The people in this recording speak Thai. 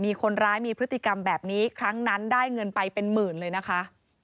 มีคนร้ายมีพฤติกรรมแบบนี้ครั้งนั้นได้เงินไปเป็นหมื่นเลยนะคะ